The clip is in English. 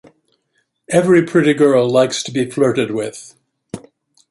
Every pretty girl likes to be flirted with.